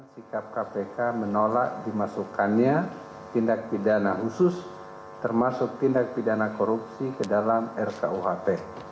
sikap kpk menolak dimasukkannya tindak pidana khusus termasuk tindak pidana korupsi ke dalam rkuhp